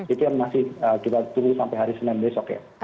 itu yang masih kita tunggu sampai hari senin besok ya